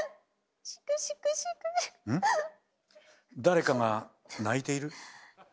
誰かが泣いている？